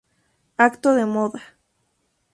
Acto de Moda.